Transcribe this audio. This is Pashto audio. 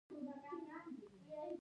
د ارادې تحمیل مو هغې ته رسولی شي؟